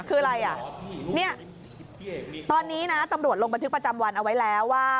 คืออะไรอ่ะเนี่ยตอนนี้นะตำรวจลงบันทึกประจำวันเอาไว้แล้วว่า